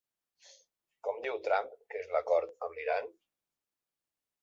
Com diu Trump que és l'acord amb l'Iran?